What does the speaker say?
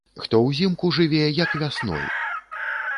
Хто ўзімку жыве, як вясной!